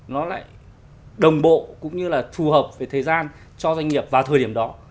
nó lại đồng bộ cũng như là phù hợp với thời gian cho doanh nghiệp vào thời điểm đó